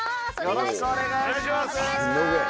よろしくお願いします。